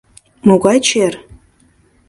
Могай чер?